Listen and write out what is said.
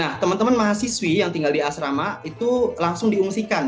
nah teman teman mahasiswi yang tinggal di asrama itu langsung diungsikan